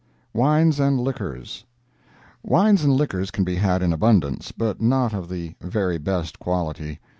] WINES AND LIQUORS Wines and liquors can be had in abundance, but not of the very best quality.